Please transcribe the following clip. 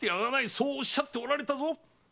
そうおっしゃっておられたぞ。